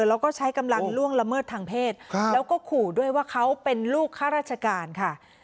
แล้วก็ใช้กำลังล่วงละเมิดทางเพศแล้วก็ขู่ด้วยว่าเขาเป็นลูกข้าราชการค่ะ